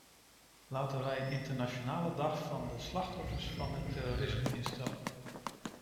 Laten wij een internationale dag van de slachtoffers van het terrorisme instellen.